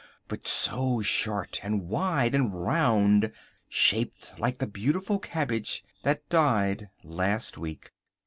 but so short and wide and round—shaped like the beautiful cabbage that died last week.